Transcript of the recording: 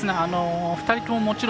２人とも